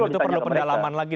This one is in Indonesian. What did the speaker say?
itu perlu pendalaman lagi